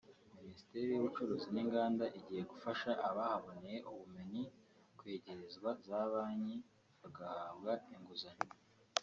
Minisiteri y’ubucuruzi n’inganda igiye gufasha abahaboneye ubumenyi kwegerezwa za banki bagahabwa inguzanyo